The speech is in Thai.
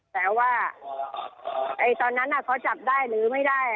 แต่ว่าตอนนั้นเขาจับได้หรือไม่ได้